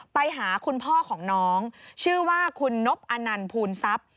ไปหาคุณพ่อของน้องชื่อว่าคุณนบอนันต์ภูนทรัพย์